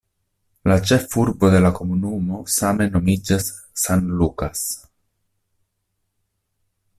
La ĉefurbo de la komunumo same nomiĝas "San Lucas".